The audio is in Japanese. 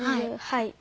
はい。